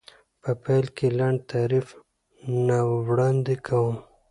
په پیل کې لنډ تعریف نه وړاندې کوم.